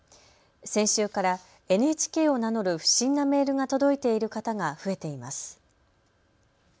先週からＮＨＫを名乗る不審なメールが届いている方が増えています。